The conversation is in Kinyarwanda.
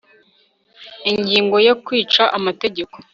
ingingo ya kwica amategeko